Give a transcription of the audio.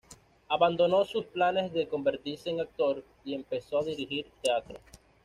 Abandonó sus planes de convertirse en actor y empezó a dirigir teatro.